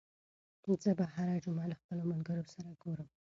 زه به هره جمعه له خپلو ملګرو سره ګورم.